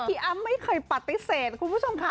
อ้ำไม่เคยปฏิเสธคุณผู้ชมค่ะ